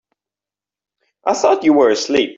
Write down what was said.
I thought you were asleep.